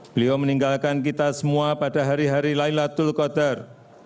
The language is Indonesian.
beliau meninggalkan kita semua pada hari hari laylatul qadar